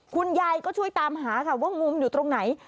คุณยายก็ช่วยตามหาค่ะว่างมอยู่ตรงไหน